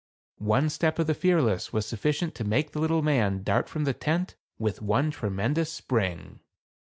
One step of the Fearless was sufficient to make the little man dart from the tent with one tremendous spring.